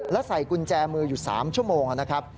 และใส่กุญแจมืออยู่๓ชั่วโมงนะครับ